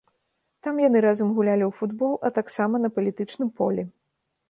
Там яны разам гулялі ў футбол, а таксама на палітычным полі.